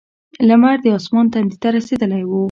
لمر د اسمان تندي ته رسېدلی و.